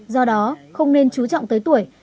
do đó không nên trú trọng tới tuổi